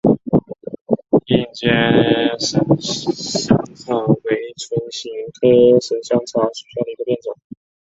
硬尖神香草为唇形科神香草属下的一个变种。